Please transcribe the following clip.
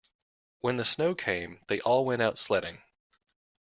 When the snow came, they all went out sledging.